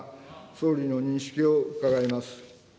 総理の認識を伺います。